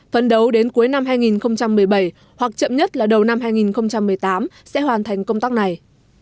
phấn đấu đến cuối năm hai nghìn một mươi bảy hoặc chậm nhất là đầu năm hai nghìn một mươi tám sẽ hoàn thành công tác này